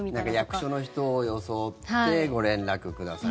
役所の人を装ってご連絡ください。